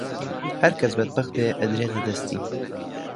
هەرکەس بەدبەخت بێ ئەدرێتە دەستی